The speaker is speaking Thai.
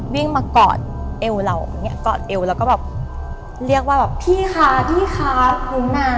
วิ่งมากอดเอวเราก็แบบเรียกว่าพี่ค่ะอุ้มหนาว